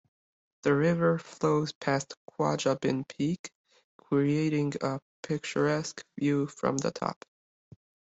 The river flows past Quajabin Peak, creating a picturesque view from the top.